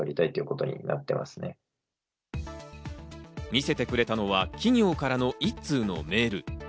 見せてくれたのは、企業からの１通のメール。